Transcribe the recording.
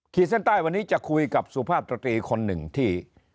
เส้นใต้วันนี้จะคุยกับสุภาพตรีคนหนึ่งที่